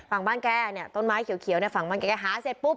ฝั่งบ้านแกต้นไม้เขียวฝั่งบ้านแกหาเสร็จปุ๊บ